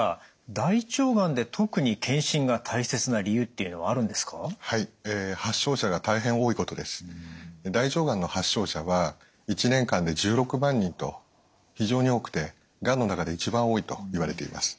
大腸がんの発症者は１年間で１６万人と非常に多くてがんの中で一番多いといわれています。